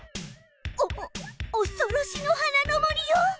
おおそろしの花の森よ！